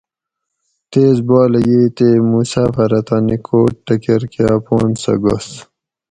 تیز بالہ ییۓ تے مسافر اٞ تانی کوٹ ٹکرکٞہ اپان سٞہ گس